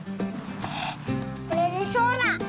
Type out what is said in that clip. これがそうだ！